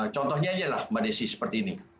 contohnya aja lah mbak desi seperti ini